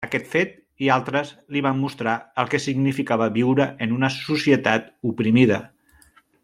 Aquest fet i altres li van mostrar el que significava viure en una societat oprimida.